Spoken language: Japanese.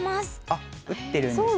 あっ打ってるんですね。